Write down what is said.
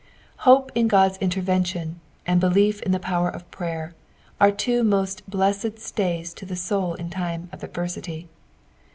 Hope tn Ood'a intervention, and belief in the power of prayer, are two most blessed slaj'S to the soul in time of adversity.